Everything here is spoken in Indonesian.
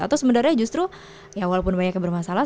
atau sebenarnya justru ya walaupun banyak yang bermasalah